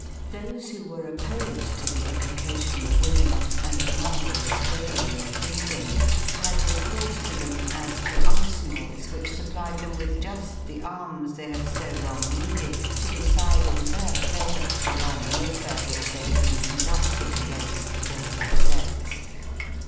Those who were opposed to the education of women and the number was daily increasing had recourse to them as to arsenals which supplied them with just the arms they had so long needed to decide in their favor the long warfare which they had been conducting against the gentler sex.